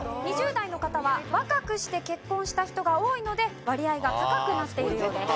２０代の方は若くして結婚した人が多いので割合が高くなっているようです。